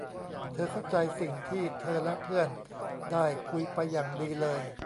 เธอเข้าใจสิ่งที่เธอและเพื่อนได้คุยไปอย่างดีเลย